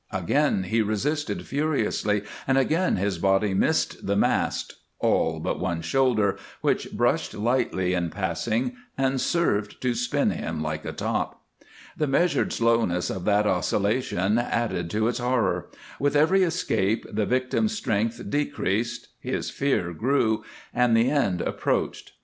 Again he resisted furiously and again his body missed the mast, all but one shoulder, which brushed lightly in passing and served to spin him like a top. The measured slowness of that oscillation added to its horror; with every escape the victim's strength decreased, his fear grew, and the end approached.